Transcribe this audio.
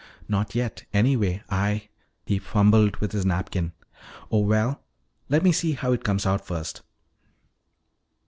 "Not yet, anyway. I " He fumbled with his napkin. "Oh, well, let me see how it comes out first."